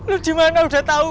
lu dimana udah tau